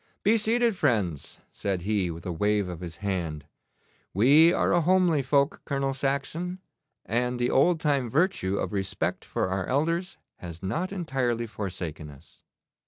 'Be seated, friends,' said he, with a wave of his hand; 'we are a homely folk, Colonel Saxon, and the old time virtue of respect for our elders has not entirely forsaken us.